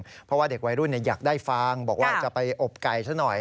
เพราะว่าเด็กวัยรุ่นอยากได้ฟางบอกว่าจะไปอบไก่ซะหน่อย